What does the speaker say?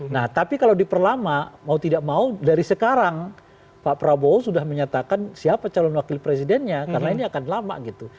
nah tapi kalau diperlama mau tidak mau dari sekarang pak prabowo sudah menyatakan siapa calon wakil presidennya karena ini akan lama gitu